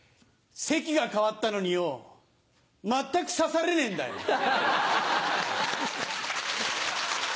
席が替わったのによぉ全くサされねえんだよ。